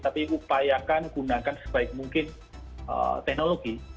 tapi upayakan gunakan sebaik mungkin teknologi